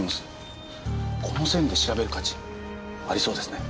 この線で調べる価値ありそうですね。